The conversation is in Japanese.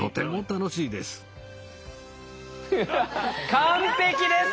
完璧です。